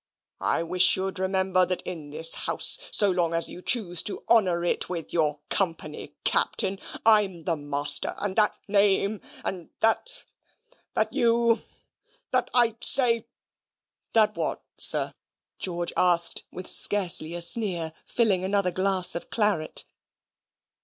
"I wish you'd remember that in this house so long as you choose to HONOUR it with your COMPANY, Captain I'm the master, and that name, and that that that you that I say " "That what, sir?" George asked, with scarcely a sneer, filling another glass of claret.